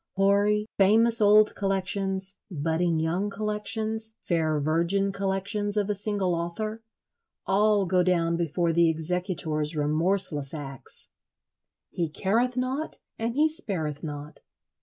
Hoary, famous old collections, budding young collections, fair virgin collections of a single author—all go down before the executor's remorseless axe. He careth not and he spareth not.